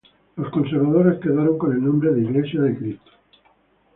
Los conservadores quedaron con el nombre de Iglesia de Cristo.